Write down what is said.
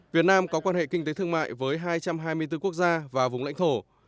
việt nam có quan hệ kinh tế thương mại với hai trăm hai mươi bốn quốc gia và vùng lãnh thổ